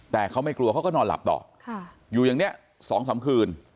แต่เขาไม่กลัวเขาก็นอนหลับต่ออยู่อย่างนี้๒๓คืน